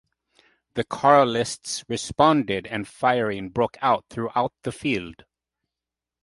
The Carlists responded and firing broke out throughout the field.